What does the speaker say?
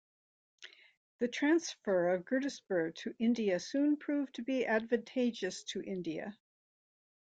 The transfer of Gurdaspur to India soon proved to be advantageous to India.